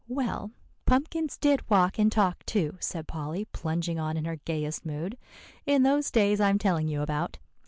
"Well, pumpkins did walk and talk too," said Polly, plunging on in her gayest mood, "in those days I'm telling you about.